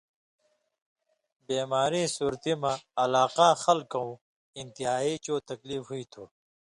بیماریں صورتی مہ علاقاں خلکوں انتہائی چو تکلیف ہُوئ تُھو۔